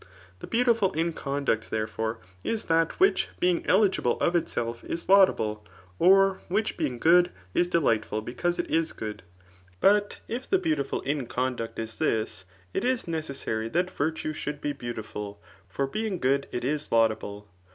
The beautiful in conduct, therefore, is that which heing eligible of itself is laudable} or which being good is deUghtful because it is good. But if the beautiful in conduct is this, it is necessary that virtue should be beau tiful; for being good it is laudable.